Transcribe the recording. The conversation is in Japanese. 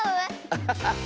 アハハハ！